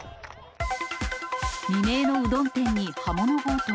未明のうどん店に刃物強盗。